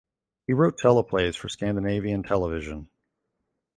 He wrote teleplays for Scandinavian television.